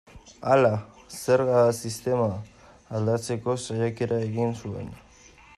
Hala, zerga sistema aldatzeko saiakera egin zuen.